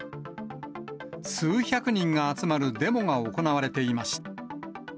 数百人が集まるデモが行われていました。